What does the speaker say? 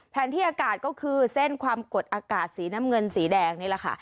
ที่อากาศก็คือเส้นความกดอากาศสีน้ำเงินสีแดงนี่แหละค่ะ